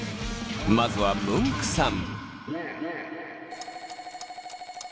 まずはムンクさん。